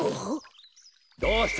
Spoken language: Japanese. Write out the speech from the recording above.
どうした？